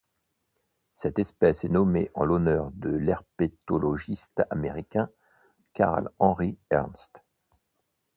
Cette espèce est nommée en l'honneur de l'herpétologiste américain Carl Henry Ernst.